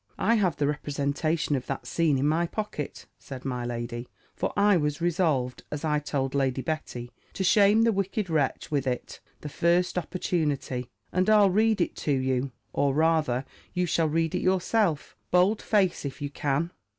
"I have the representation of that scene in my pocket," said my lady; "for I was resolved, as I told Lady Betty, to shame the wicked wretch with it the first opportunity; and I'll read it to you; or rather, you shall read it yourself, Bold face, if you can."